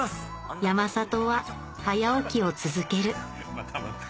山里は早起きを続けるまたまた。